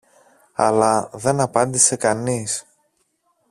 αλλά δεν απάντησε κανείς